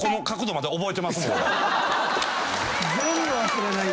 全部忘れない。